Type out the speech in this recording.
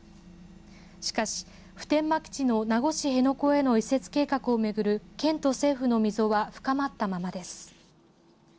しかし普天間基地の名護市辺野古への移設計画をめぐる県と政府の溝は深まったままです。